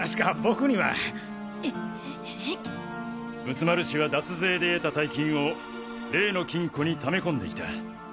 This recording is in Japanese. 仏丸氏は脱税で得た大金を例の金庫に貯め込んでいた。